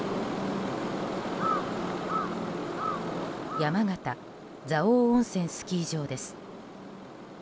山形・蔵王温泉スキー場です。